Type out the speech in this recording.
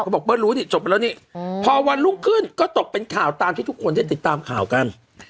บอกเบิ้ลรู้ดิจบไปแล้วนี่พอวันรุ่งขึ้นก็ตกเป็นข่าวตามที่ทุกคนได้ติดตามข่าวกัน